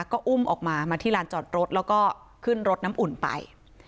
ก็อุ้มออกมามาที่ลานจอดรถแล้วก็ขึ้นรถน้ำอุ่นไป